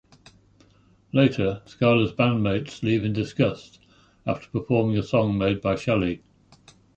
Later, Skyler's bandmates leave in disgust after performing a song made by Shelley.